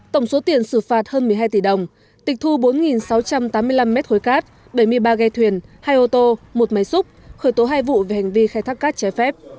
tổng số tiền xử phạt hơn một mươi hai tỷ đồng tịch thu bốn sáu trăm tám mươi năm mét khối cát bảy mươi ba ghe thuyền hai ô tô một máy xúc khởi tố hai vụ về hành vi khai thác cát trái phép